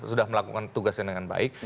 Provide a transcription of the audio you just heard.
sudah melakukan tugasnya dengan baik